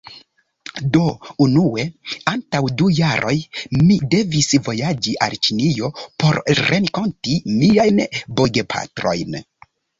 Do unue, antaŭ du jaroj, mi devis vojaĝi al Ĉinio por renkonti miajn bogepatrojn.